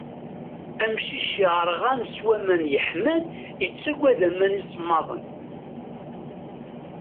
Amcic yerɣan s waman yeḥman, yettaggad aman isemmaḍen.